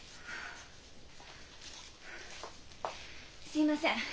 すいません。